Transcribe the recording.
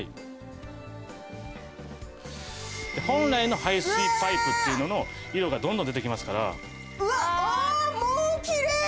本来の排水パイプっていうのの色がどんどん出てきますから。